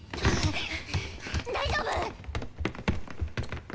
大丈夫！？